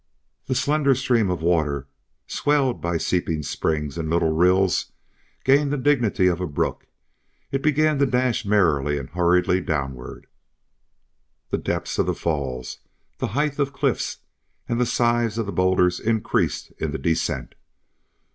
The slender stream of water, swelled by seeping springs and little rills, gained the dignity of a brook; it began to dash merrily and hurriedly downward. The depth of the falls, the height of cliffs, and the size of the bowlders increased in the descent.